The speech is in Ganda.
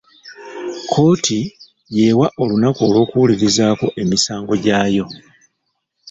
Kkooti y'ewa olunaku olw'okuwulirizaako emisango gyayo.